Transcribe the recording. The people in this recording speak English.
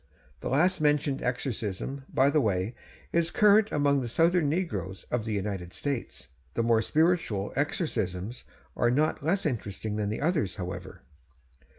The last mentioned exorcism, by the way, is current among the Southern negroes of the United States. The more spiritual exorcisms are not less interesting than the others, however.